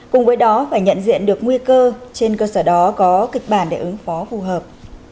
cùng với đó phải nhận diện được nguy cơ trên cơ sở đó có kịch bản để ứng phó phù hợp